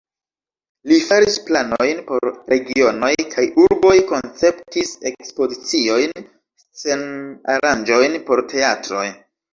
Li faris planojn por regionoj kaj urboj, konceptis ekspoziciojn, scen-aranĝojn por teatroj.